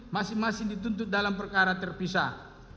masing masing dituntut dalam perkara terpisah